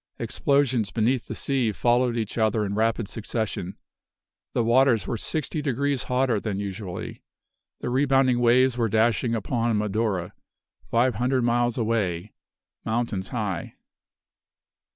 Explosions beneath the sea followed each other in rapid succession. The waters were sixty degrees hotter than usually. The rebounding waves were dashing upon Madura, five hundred miles away, mountains high.